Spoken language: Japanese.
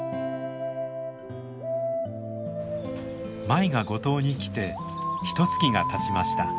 舞が五島に来てひとつきがたちました。